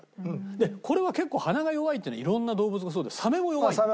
でこれは結構鼻が弱いっていうのは色んな動物もそうでサメも弱いの。